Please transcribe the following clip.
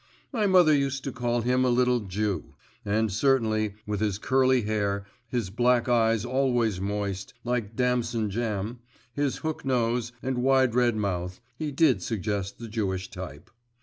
My mother used to call him a little Jew, and certainly, with his curly hair, his black eyes always moist, like damson jam, his hook nose, and wide red mouth, he did suggest the Jewish type.